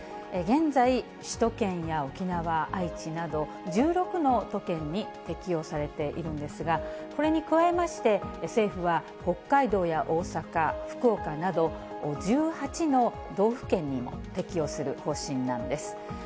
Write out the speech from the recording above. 現在、首都圏や沖縄、愛知など、１６の都県に適用されているんですが、これに加えまして、政府は北海道や大阪、福岡など、１８の道府県にも適用する方針なんです。